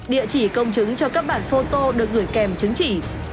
địa chỉ công chứng cho các bản phô tô được gửi kèm chứng chỉ